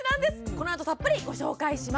このあとたっぷりご紹介します！